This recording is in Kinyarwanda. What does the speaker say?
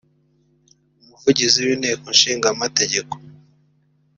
umuvugizi w’Inteko Ishinga Amategeko